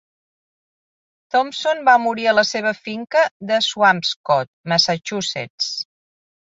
Thomson va morir a la seva finca de Swampscott, Massachusetts.